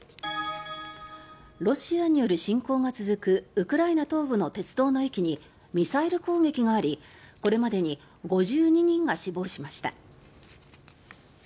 ロシアによる侵攻が続くウクライナ東部の鉄道の駅にミサイル攻撃がありこれまでに５２人が死亡しました。